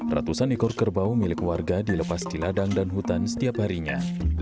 ratusan ekor kerbau milik warga dilepas di ladang dan hutan setiap harinya